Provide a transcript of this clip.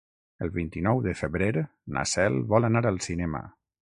El vint-i-nou de febrer na Cel vol anar al cinema.